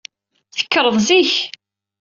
Tekkreḍ zik.